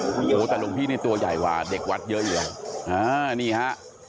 สุดท้ายล่าต้านหลวงพี่นี่ตัวใหญ่กลายเป็นเด็กวัดเยอะ